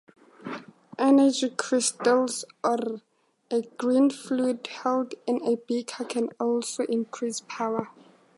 Energy crystals or a green fluid held in a beaker can also increase power.